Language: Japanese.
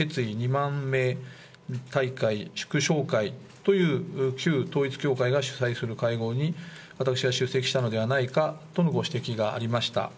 ２万名大会祝勝会という旧統一教会が主催する会合に私が出席したのではないかとのご指摘がありました。